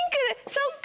そっか。